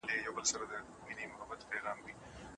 د لويي جرګې پر مهال رسنۍ څنګه راپورونه ورکوي؟